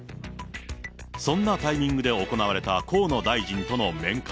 そんなタイミングで行われた河野大臣との面会。